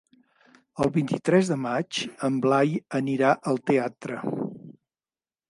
El vint-i-tres de maig en Blai anirà al teatre.